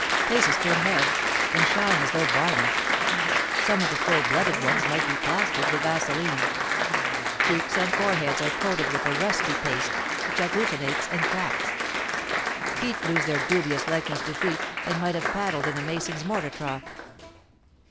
Faces turn red, and shine as though varnished; some of the full blooded ones might be plastered with vaseline. Cheeks and foreheads are coated with a rusty paste which agglutinates and cracks. Feet lose their dubious likeness to feet and might have paddled in a mason's mortar trough.